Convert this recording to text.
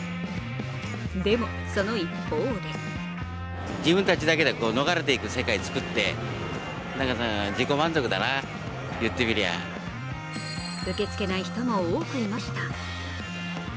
でも、その一方で受け付けない人も多くいました。